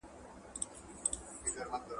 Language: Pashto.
د مېرمني د کار لپاره د خاوند اجازه ولي شرط ده؟